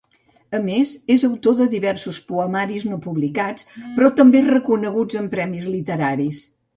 A més, és autor de diversos poemaris no publicats, però també reconeguts en premis literaris.